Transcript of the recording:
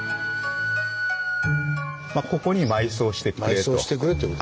「ここに埋葬してくれ」と。